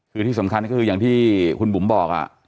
คือที่สำคัญก็คืออย่างที่คุณบุ๋มบอก